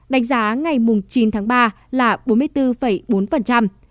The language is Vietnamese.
đánh giá ngày chín tháng ba là bốn mươi bốn bốn